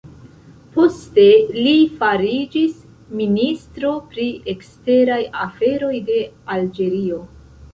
Poste li fariĝis ministro pri eksteraj aferoj de Alĝerio.